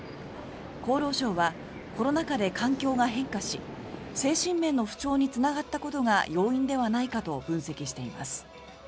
厚労省はコロナ禍で環境が変化し精神面の不調につながったことが要因ではないかと分析しています。